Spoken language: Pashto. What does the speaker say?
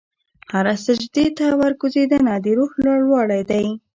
هره سجدې ته ورکوځېدنه، د روح لوړوالی دی.